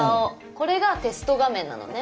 これがテスト画面なのね。